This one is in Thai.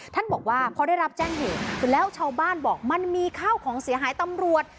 ท่านบอกว่าพอได้รับแจ้งเหตุแล้วชาวบ้านบอกมันมีข้าวของเสียหายตำรวจ